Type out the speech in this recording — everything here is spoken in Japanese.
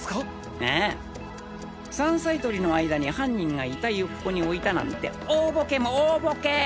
ああ山菜採りの間に犯人が遺体をここに置いたなんて大ボケも大ボケ！